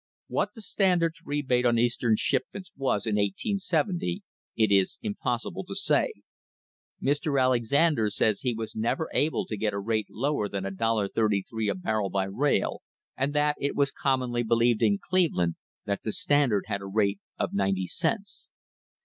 What the Standard's rebate on Eastern shipments was in 1870 it is impossible to say. Mr. Alexander says he was never able to get a rate lower than $1.33 a barrel by rail, and that it was commonly believed in Cleveland that the Standard had a rate of ninety cents.